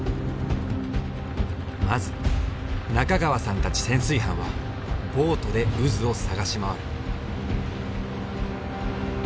まず中川さんたち潜水班はボートで渦を探し回る。